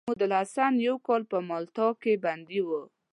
محمودالحسن يو کال په مالټا کې بندي وو.